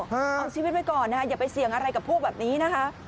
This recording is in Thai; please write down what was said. เอาชีวิตไว้ก่อนนะคะอย่าไปเสี่ยงอะไรกับพวกแบบนี้นะคะ